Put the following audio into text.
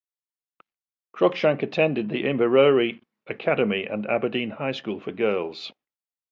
Cruickshank attended the Inverurie Academy and Aberdeen High School for Girls.